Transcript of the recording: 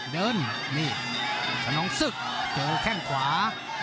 เดินนี่ขนองศึกเจอแข้งขวา